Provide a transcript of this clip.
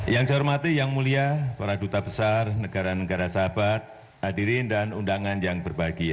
yang saya hormati yang mulia para duta besar negara negara sahabat hadirin dan undangan yang berbahagia